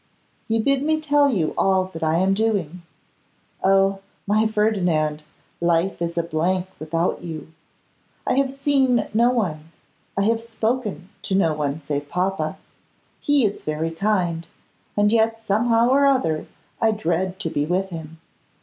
You bid me tell you all that I am doing. Oh! my Ferdinand, life is a blank without you. I have seen no one, I have spoken to no one, save papa. He is very kind, and yet somehow or other I dread to be with him.